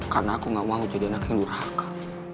karena aku gak mau jadi anak yang durah akal